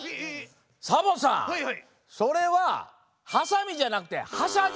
サボさんそれは「はさみ」じゃなくて「はしゃぎ」でしょ！